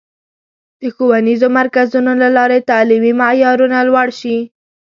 د ښوونیزو مرکزونو له لارې تعلیمي معیارونه لوړ شي.